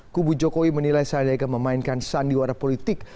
kubu jokowi menilai sandiaga memainkan sandiwara politik